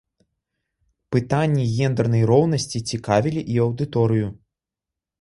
Пытанні гендэрнай роўнасці цікавілі і аўдыторыю.